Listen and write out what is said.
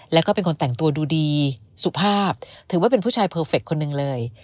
แล้วก็เป็นคนแต่งตัวดูดีสุภาพถือว่าเป็นผู้ชายเพอร์เฟคคนหนึ่งเลย